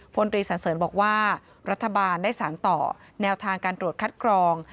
พลตรีสันเสริญบอกว่ารัฐบาลได้สารต่อแนวทางการตรวจคัดกรอง